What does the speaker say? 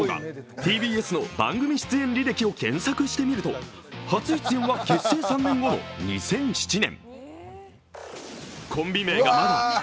ＴＢＳの番組出演履歴を検索してみると初出演は結成３年後の２００７年。